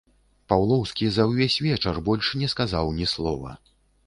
Паўлоўскі за ўвесь вечар больш не сказаў ні слова.